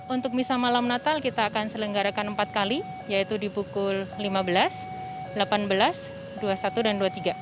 untuk misa malam natal kita akan selenggarakan empat kali yaitu di pukul lima belas delapan belas dua puluh satu dan dua puluh tiga